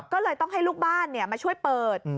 ก็เลยต้องให้ลูกบ้านมาช่วยเปิด